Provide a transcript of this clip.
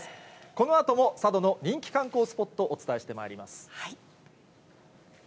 このあとも佐渡の人気観光スポット、お伝えしてまいります。